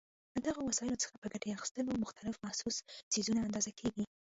له دغو وسایلو څخه په ګټې اخیستلو مختلف محسوس څیزونه اندازه کېږي.